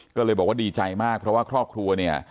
ก็เลยบอกว่าดีใจมากเพราะว่าครอบครัวเนี่ย